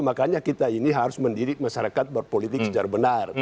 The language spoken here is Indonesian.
makanya kita ini harus mendidik masyarakat berpolitik secara benar